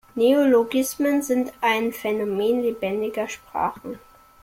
Neologismen sind ein Phänomen lebendiger Sprachen.